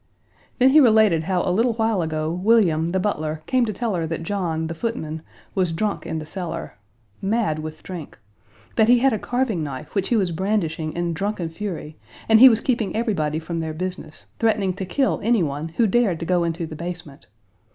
Then he related how a little while ago William, the butler, came to tell her that John, the footman, was drunk in the cellar mad with drink; that he had a carving knife which he was brandishing in drunken fury, and he was keeping everybody from their business, threatening to kill any one who dared to go into the basement.